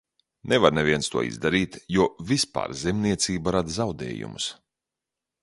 Nevar neviens to izdarīt, jo vispār zemniecība rada zaudējumus.